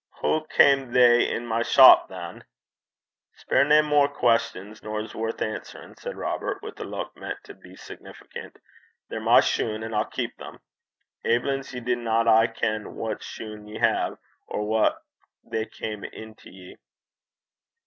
'Hoo cam they in my chop, than?' 'Speir nae mair quest'ons nor's worth answerin',' said Robert, with a look meant to be significant. 'They're my shune, and I'll keep them. Aiblins ye dinna aye ken wha's shune ye hae, or whan they cam in to ye.'